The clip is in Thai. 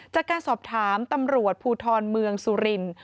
จากการสอบถามตำรวจภูทรเมืองสุรินทร์